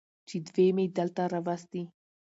چې دوي مې دلته راوستي.